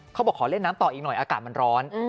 ขอเล่นน้ำต่ออีกหน่อยอากาศมันร้อน